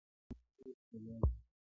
باران د ځمکې ښکلا زياتوي.